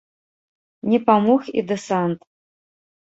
Не памог і дэсант.